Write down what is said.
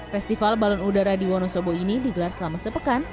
festival balon udara di wonosobo ini digelar selama sepekan